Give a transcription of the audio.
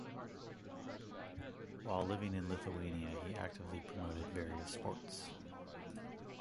While living in Lithuania he actively promoted various sports.